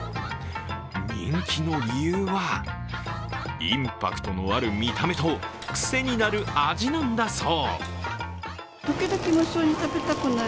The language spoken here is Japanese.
人気の理由はインパクトのある見た目と癖になる味なんだそう。